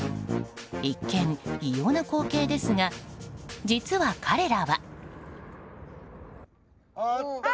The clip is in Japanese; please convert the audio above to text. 一見、異様な光景ですが実は彼らは。